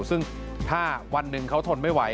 ซึ่งถ้าวันหนึ่งเขาทนไม่ไหว